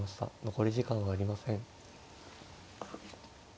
残り時間はありません。